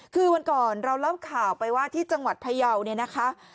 คือวันก่อนเราเล่าข่าวไปว่าที่จังหวัดพยาวเนี่ยนะคะ